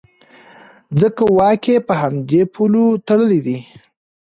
ځکه واک یې په همدې پولو تړلی دی.